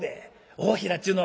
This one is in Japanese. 「大平っちゅうの？